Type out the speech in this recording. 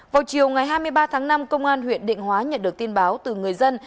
vào chiều ngày hai mươi ba tháng năm công an huyện định hóa nhận được tin báo từ người dân